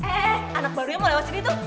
eh anak barunya mau lewat sini tuh